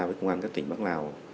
với công an các tỉnh bắc lào